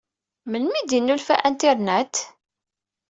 Melmi i d-innulfa internet?